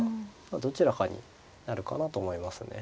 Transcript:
どちらかになるかなと思いますね。